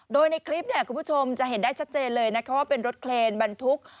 โดยในคลิปเนี่ยคุณผู้ชมจะเห็นได้ชัดเจนเลยนะคะว่าเป็นรถเคลนบรรทุก